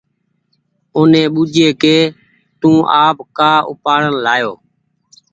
اوني ٻوجهيي ڪي تو آپ ڪآ اُپآڙين لين آيو